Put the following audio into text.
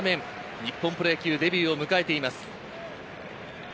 日本プロ野球デビューを迎えています。